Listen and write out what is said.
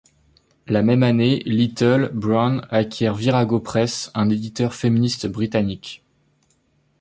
La même année, Little, Brown acquiert Virago Press, un éditeur féministe britannique.